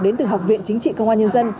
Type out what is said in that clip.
đến từ học viện chính trị công an nhân dân